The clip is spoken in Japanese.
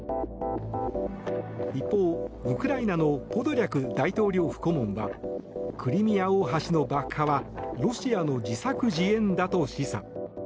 一方、ウクライナのポドリャク大統領府顧問はクリミア大橋の爆破はロシアの自作自演だと示唆。